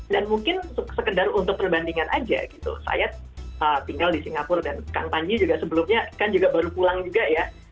dan mungkin sekedar untuk perbandingan aja gitu saya tinggal di singapura dan kan panji juga sebelumnya kan juga baru pulang juga ya